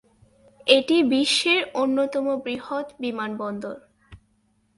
এটি বিশ্বের অন্যতম বৃহৎ বিমানবন্দর।